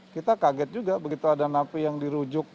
kita kaget juga begitu ada napi yang dirujuk